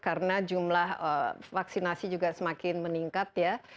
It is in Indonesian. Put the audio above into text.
karena jumlah vaksinasi juga semakin meningkat ya